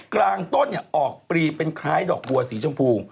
กลางต้นออกปรีเป็นคล้ายดอกบัวสีชมพู